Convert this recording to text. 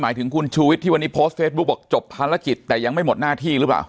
ถึงคุณชูวิทย์ที่วันนี้โพสต์เฟซบุ๊คบอกจบภารกิจแต่ยังไม่หมดหน้าที่หรือเปล่า